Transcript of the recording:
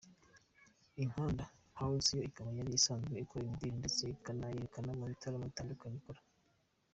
Inkanda House yo ikaba yari isanzwe ikora imideli ndetse ikanayerekana mu bitaramo bitandukanye ikora.